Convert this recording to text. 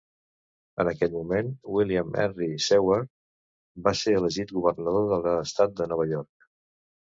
En aquell moment, William Henry Seward va ser elegit governador de l'estat de Nova York.